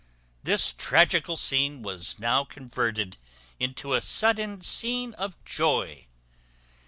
This tragical scene was now converted into a sudden scene of joy.